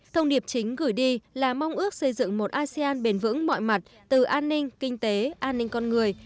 thông điệp chính gửi đi là mong ước xây dựng một asean bền vững mọi mặt từ an ninh kinh tế an ninh con người